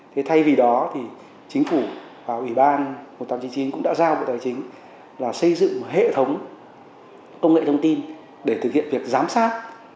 thì thay vì đó thì chính phủ và ủy ban một nghìn tám trăm chín mươi chín cũng đã giao bộ tài chính là xây dựng hệ thống công nghệ thông tin để thực hiện việc giám sát